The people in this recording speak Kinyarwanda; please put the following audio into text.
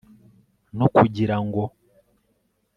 no kugira ngo